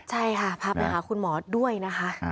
ใช่ค่ะพาไปหาคุณหมอด้วยนะคะ